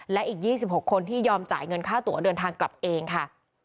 และอีก๒๖คนที่ยอมจ่ายเงินค่าตัวเดินทางกลับเองค่ะ